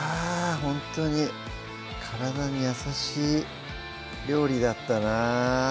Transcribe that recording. ほんとに体に優しい料理だったなぁ